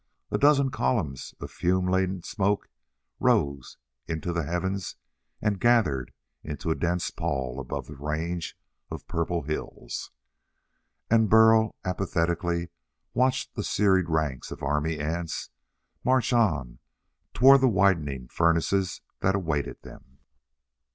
A dozen columns of fume laden smoke rose into the heavens and gathered into a dense pall above the range of purple hills. And Burl apathetically watched the serried ranks of army ants march on toward the widening furnaces that awaited them.